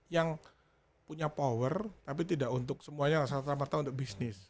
yang punya power tapi tidak untuk semuanya salah satu pertau untuk bisnis